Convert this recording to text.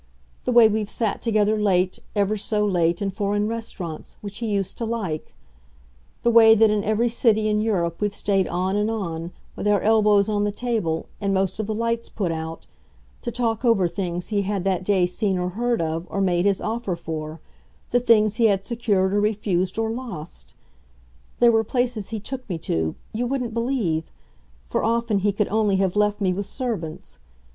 The way we've sat together late, ever so late, in foreign restaurants, which he used to like; the way that, in every city in Europe, we've stayed on and on, with our elbows on the table and most of the lights put out, to talk over things he had that day seen or heard of or made his offer for, the things he had secured or refused or lost! There were places he took me to you wouldn't believe! for often he could only have left me with servants.